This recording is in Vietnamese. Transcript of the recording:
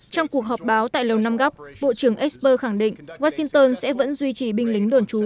trong cuộc họp báo tại lầu năm góc bộ trưởng esper khẳng định washington sẽ vẫn duy trì binh lính đồn trú